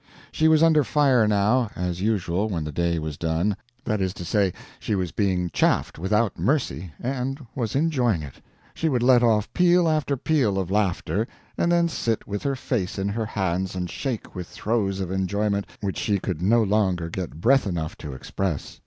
She was under fire now, as usual when the day was done. That is to say, she was being chaffed without mercy, and was enjoying it. She would let off peal after peal of laughter, and then sit with her face in her hands and shake with throes of enjoyment which she could no longer get breath enough to express.